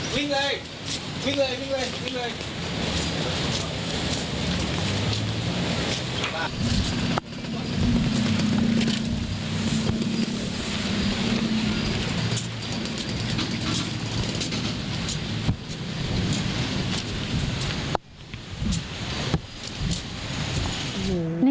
วิ่งเลยวิ่งเลยวิ่งเลย